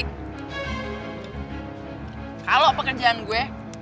kalau pekerjaan gue